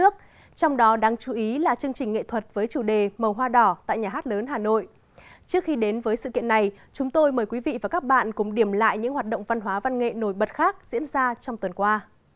chúng tôi mời quý vị và các bạn cùng điểm lại những hoạt động văn hóa văn nghệ nổi bật khác diễn ra trong tuần qua